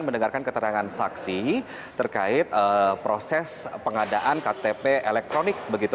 mendengarkan keterangan saksi terkait proses pengadaan ktp elektronik begitu